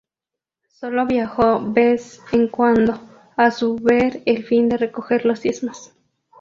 Sólo viajó vez en cuando, a su ver el fin de recoger los diezmos.